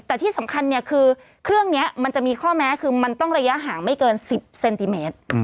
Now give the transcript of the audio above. แต่ที่สำคัญเนี่ยคือเครื่องนี้มันจะมีข้อแม้คือมันต้องระยะห่างไม่เกิน๑๐เซนติเมตร